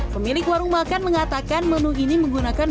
pemilik warung makan mengatakan menu ini menggunakan